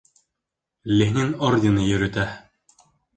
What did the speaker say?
Ленин ордены йөрөтә!